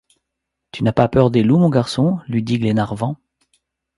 Tu n’as pas peur des loups, mon garçon? lui dit Glenarvan.